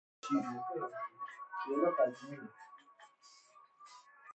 شرکت جدید در یک ساختمان بلند قرار دارد.